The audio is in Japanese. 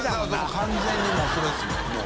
完全にもうそれですもんもう。